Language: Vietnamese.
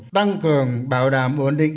tăng cường bảo đảm ổn định